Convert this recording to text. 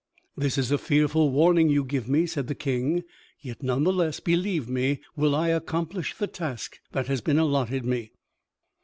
"This is a fearful warning you give me," said the King. "Yet none the less, believe me, will I accomplish the task that has been allotted me."